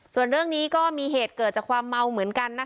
ส่วนเรื่องนี้ก็มีเหตุเกิดจากความเมาเหมือนกันนะคะ